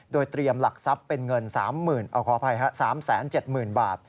โดยเตรียมหลักทรัพย์เป็นเงิน๓๗๐๐๐๐บาท